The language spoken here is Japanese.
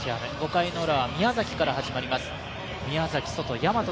５回ウラは宮崎から始まります。